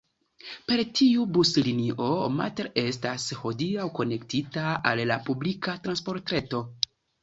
Per tiu buslinio Matt estas hodiaŭ konektita al la publika transportreto.